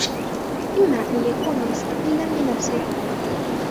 إمَّا أَنْ يَكُونَ مُسْتَقِلًّا بِنَفْسِهِ